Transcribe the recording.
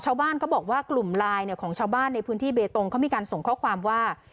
ชาวบ้านเขาบอกว่ากลุ่มไลน์ของชาวบ้านในพื้นที่เบตงเขามีการส่งข้อความว่า